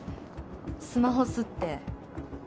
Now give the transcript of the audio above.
スマホスって。